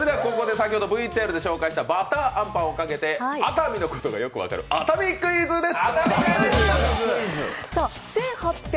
先ほどＶＴＲで紹介したばたーあんパンの試食をかけて熱海のことがよく分かる熱海クイズです。